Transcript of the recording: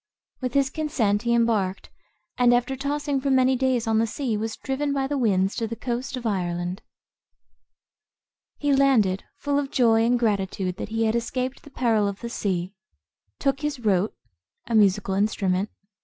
With his consent he embarked, and after tossing for many days on the sea, was driven by the winds to the coast of Ireland. He landed, full of joy and gratitude that he had escaped the peril of the sea; took his rote,[Footnote: A musical instrument.